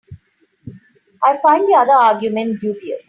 I find the other argument dubious.